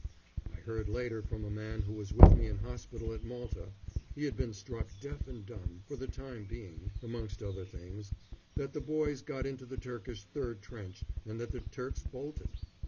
I heard later, from a man who was with me in hospital at Malta he had been struck deaf and dumb, for the time being, amongst other things that the boys got into the Turkish third trench and that the Turks bolted.